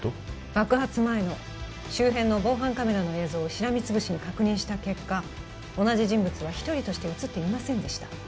爆発前の周辺の防犯カメラの映像をしらみつぶしに確認した結果同じ人物は一人として写っていませんでした